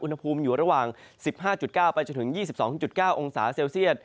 อุณหภูมิอยู่ระหว่าง๑๕๙ไปจนถึง๒๒๙องศาเซลเซียต